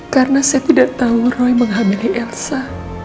karena saya tidak tahu roy menghamili elsa